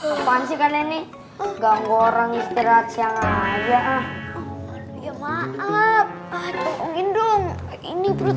apaan sih kalian nih ganggu orang istirahat siang aja ah ya maaf tolongin dong ini perut